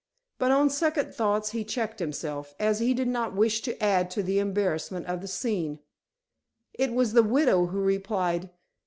But on second thoughts he checked himself, as he did not wish to add to the embarrassment of the scene. It was the widow who replied.